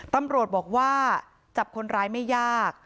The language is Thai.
ตำรวจบคนร้ายไม่ยาก